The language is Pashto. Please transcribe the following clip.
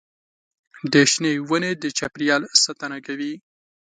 د شنې ونې د چاپېریال ساتنه کوي.